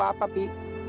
tentu apa pi